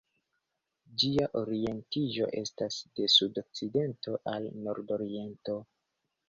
Ĝia orientiĝo estas de sudokcidento al nordoriento.